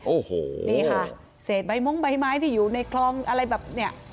โอ้โหนี่ค่ะเศษใบมงใบไม้ที่อยู่ในคลองอะไรแบบเนี่ย